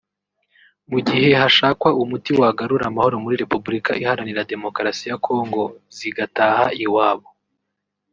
mu gihe hashakwa umuti wagarura amahoro muri Repubulika iharanira demokarasi ya Kongo zigataha iwabo